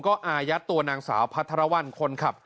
ก็อายัดตัวนางสาวพัฒนาวันคนขับ